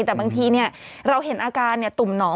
แต่บางทีเราเห็นอาการตุ่มหนอง